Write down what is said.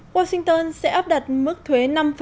washington sẽ áp đặt mức thuế năm